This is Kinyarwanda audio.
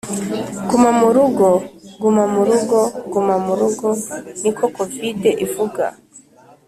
Guma mu rugo guma mu rugo guma mu rugo niko kovide ivuga